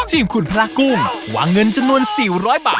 สิ่งที่ทุ่นพระกุ้งวางเงินจำนวนสิวร้อยบาท